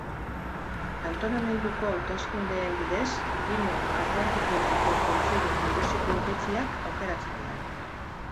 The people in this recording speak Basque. Kantonamenduko hauteskundeen bidez, Pirinio Atlantikoetako Kontseilu Nagusiko hautetsiak aukeratzen dira.